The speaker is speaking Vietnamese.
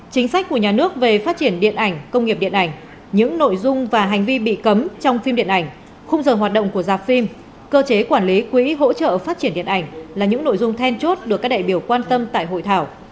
chính sách của nhà nước về phát triển điện ảnh công nghiệp điện ảnh những nội dung và hành vi bị cấm trong phim điện ảnh khung giờ hoạt động của dạp phim cơ chế quản lý quỹ hỗ trợ phát triển điện ảnh là những nội dung then chốt được các đại biểu quan tâm tại hội thảo